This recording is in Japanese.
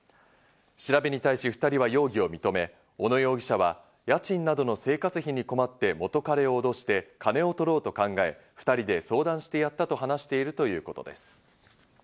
調べに対し２人は容疑を認め、小野容疑者は家賃などの生活費に困って、元彼を脅して金を取ろうと考え、２人で相談してやったと話しているということです。